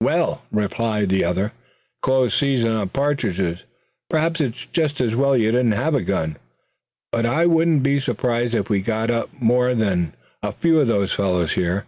"Well," replied the other, "since it's the close season on partridges perhaps it's just as well you didn't have a gun. But I wouldn't be surprised if we got up more'n a few of those fellows here.